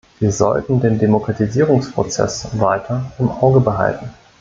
Wir sollten den Demokratisierungsprozess weiter im Auge behalten.